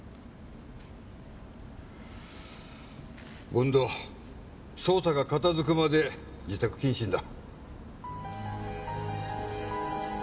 権藤捜査が片付くまで自宅謹慎だ。